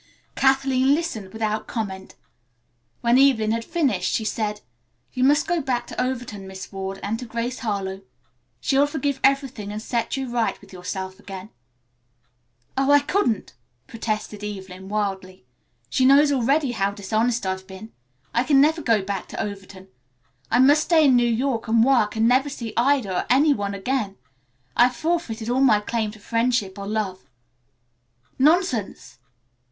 Kathleen listened without comment. When Evelyn had finished she said, "You must go back to Overton, Miss Ward, and to Grace Harlowe. She will forgive everything and set you right with yourself again." "Oh, I couldn't," protested Evelyn wildly. "She knows already how dishonest I've been. I can never go back to Overton. I must stay in New York and work and never see Ida or any one again. I have forfeited all claim to friendship or love." "Nonsense!